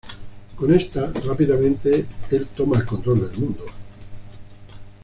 Con esta, rápidamente el toma el control del mundo.